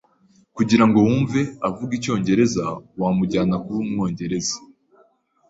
Kugira ngo wumve avuga icyongereza, wamujyana kuba umwongereza.